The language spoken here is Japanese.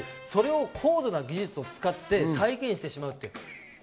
それを高度な技術を使って再現してしまう。